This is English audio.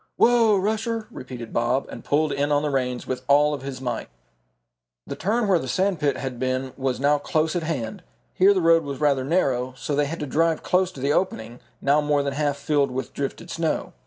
"Whoa, Rusher!" repeated Bob, and pulled in on the reins with all of his might. The turn where the sand pit had been was now close at hand. Here the road was rather narrow, so they had to drive close to the opening, now more than half filled with drifted snow.